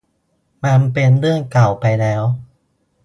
มันเป็นเรื่องเก่าไปแล้ว